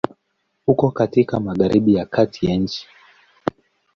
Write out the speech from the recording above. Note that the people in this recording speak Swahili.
Uko katika Magharibi ya Kati ya nchi.